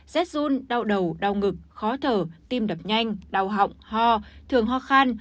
rét run đau đầu đau ngực khó thở tim đập nhanh đau họng ho thường ho khan